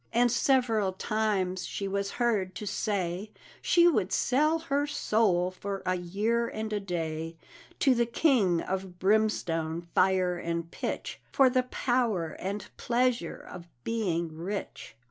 And several times she was heard to say She would sell her soul for a year and a day To the King of Brimstone, Fire, and Pitch, For the power and pleasure of being rich.